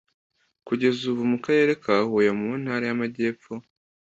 kugeza ubu mu karere ka Huye mu ntara y’Amajyepfo,